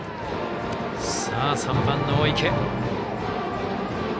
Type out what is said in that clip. ３番の大池。